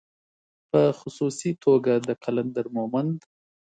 په خصوصي توګه د قلندر مومند